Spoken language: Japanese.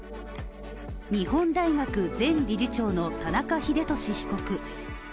日本大学前理事長の田中英寿被告。